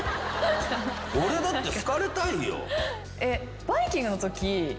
俺だって好かれたいよ。